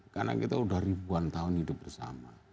karena kita sudah ribuan tahun hidup bersama